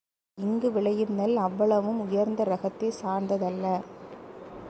இங்கு விளையும் நெல் அவ்வளவு உயர்ந்த ரகத்தைச் சார்ந்ததல்ல.